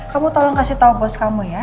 kamu tolong kasih tahu bos kamu ya